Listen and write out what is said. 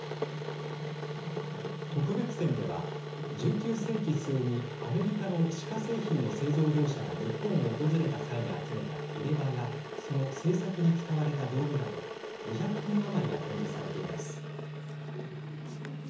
特別展では、１９世紀末にアメリカの歯科製品の製造業者が日本を訪れた際に集めた入れ歯やその製作に使われた道具など２００点余りが展示されています。